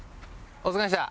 お疲れした。